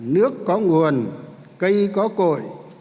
nước có nguồn cây có cội